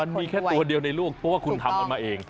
มันมีแค่ตัวเดียวในโลกเพราะว่าคุณทำกันมาเอง